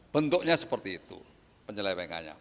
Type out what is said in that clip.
bentuknya seperti itu penyelewengannya